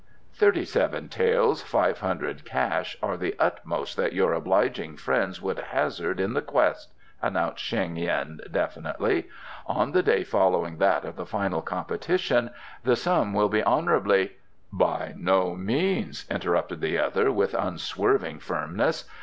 "Thirty seven taels, five hundred cash, are the utmost that your obliging friends would hazard in the quest," announced Sheng yin definitely. "On the day following that of the final competition the sum will be honourably " "By no means," interrupted the other, with unswerving firmness.